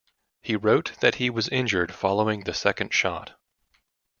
He wrote that he was injured following the second shot.